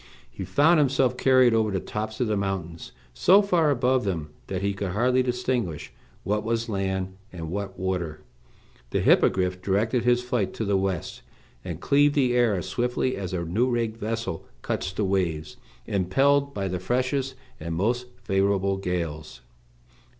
He found himself carried over the tops of the mountains, so far above them that he could hardly distinguish what was land and what water. The Hippogriff directed his flight to the west, and cleaved the air as swiftly as a new rigged vessel cuts the waves, impelled by the freshest and most favorable gales.